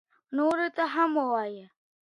نورو ته هم ووايو.